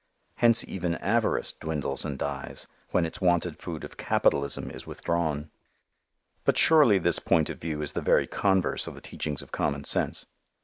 Hence even avarice dwindles and dies, when its wonted food of 'capitalism' is withdrawn." But surely this point of view is the very converse of the teachings of common sense.